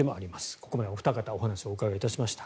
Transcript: ここまでお二方にお話をお伺いしました。